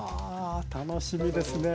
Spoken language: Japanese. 楽しみですね。